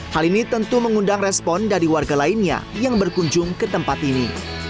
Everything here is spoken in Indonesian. hal ini tentu mengundang respon dari warga lainnya yang berkunjung ke tempat ini